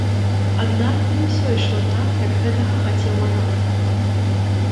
Аднак, не ўсё ішло так, як гэтага хацеў манарх.